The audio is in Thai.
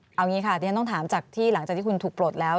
เอางี้ค่ะดิฉันต้องถามจากที่หลังจากที่คุณถูกปลดแล้ว